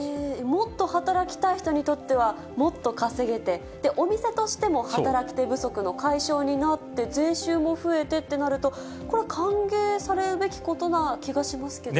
もっと働きたい人にとっては、もっと稼げて、お店としても働き手不足の解消になって、税収も増えてってなると、これは歓迎されるべきことのような気がしますけどね。